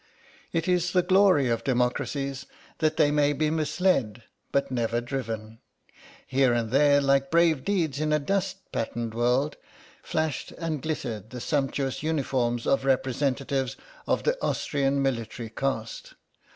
It is the glory of democracies that they may be misled but never driven. Here and there, like brave deeds in a dust patterned world, flashed and glittered the sumptuous uniforms of representatives of the Austrian military caste.